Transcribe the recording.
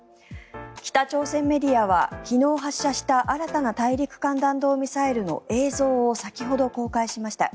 北朝鮮メディアは昨日発射した新たな大陸間弾道ミサイルの映像を先ほど公開しました。